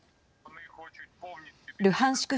ルハンシク